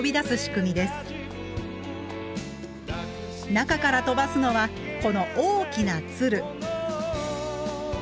中から飛ばすのはこの大きな鶴。